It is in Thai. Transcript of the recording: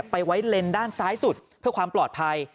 ไปไว้เลนด้านซ้ายสุดเพื่อความปลอดภัย